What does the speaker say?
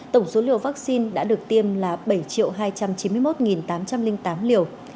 tổng số liều vaccine đã được tiêm là bảy hai trăm chín mươi một tám trăm linh tám liều